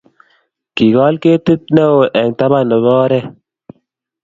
Kikol ketit ne oo eng taban ne bo oree.